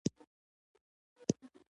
لیک یې تاویز کړ، په جامو کې تاوکړ